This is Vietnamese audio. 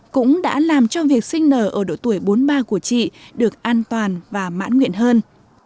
cũng đã làm cho việc sinh nở ở độ tuổi bốn mươi ba của chị được an toàn và mãn nguyện hơn